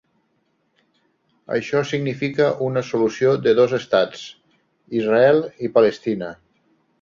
Això significa una solució de dos estats: Israel i Palestina.